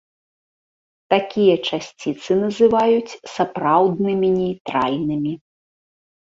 Такія часціцы называюць сапраўднымі нейтральнымі.